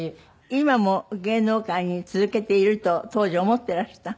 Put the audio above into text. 今も芸能界続けていると当時思ってらした？